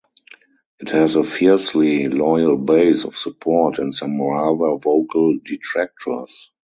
It has a fiercely loyal base of support and some rather vocal detractors.